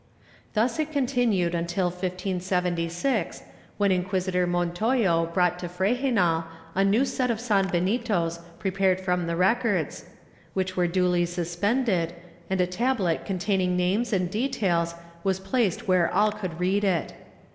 Thus it continued until 1576, when Inquisitor Montoyo brought to Frejenal a new set of sanbenitos prepared from the records, which were duly suspended, and a tablet con taining names and details was placed where all could read it.